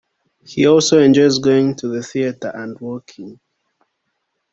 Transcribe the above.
He also enjoys going to the theatre and walking.